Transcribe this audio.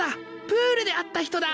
プールで会った人だ！